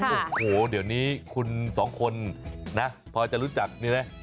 โอ้โหเดี๋ยวนี้คุณสองคนนะพอจะรู้จักนี่นะ